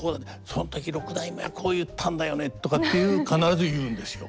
その時六代目はこう言ったんだよね」とかっていう必ず言うんですよ。